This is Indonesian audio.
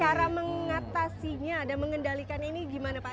cara mengatasinya dan mengendalikan ini gimana pak